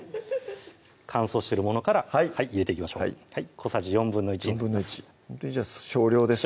乾燥してるものから入れていきましょう小さじ１／４１／４ほんとに少量ですね